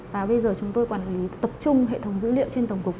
và bây giờ chúng tôi quản lý tập trung hệ thống dữ liệu trên tổng cục